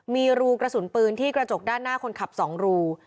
มีรูกระสุนปืนที่กระจกด้านหน้าคนขับ๒รู